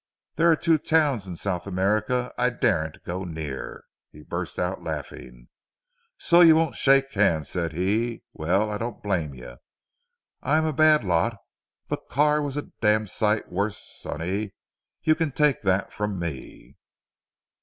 There are two Towns in South America I daren't go near " he burst out laughing. "So you won't shake hands," said he "well I don't blame you. I am a bad lot but Carr was a damned sight worse sonny. You can take that from me."